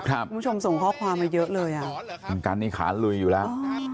คุณผู้ชมส่งข้อความมาเยอะเลยอ่ะคุณกันนี่ขาลุยอยู่แล้ว